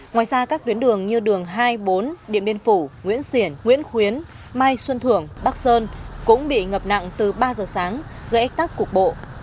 ngoài ra các tuyến đường như đường hai mươi bốn điện biên phủ nguyễn xiển nguyễn khuyến mai xuân thưởng bắc sơn cũng bị ngập nặng từ ba giờ sáng gây ách tắc cục bộ